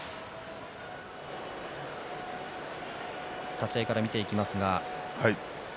立ち合いから見ていきます。